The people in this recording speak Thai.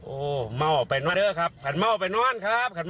โอ้เม่าออกไปนอนครับขัดเม่าออกไปนอนครับ